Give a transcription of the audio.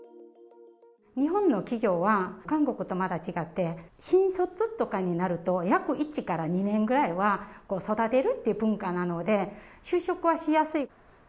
日本の企業は韓国とまた違って、新卒とかになると、約１から２年ぐらいは、育てるっていう文化なので、就職はしやすい。